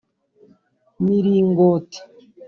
miringoti